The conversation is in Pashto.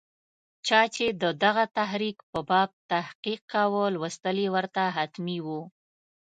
چا چې د دغه تحریک په باب تحقیق کاوه، لوستل یې ورته حتمي وو.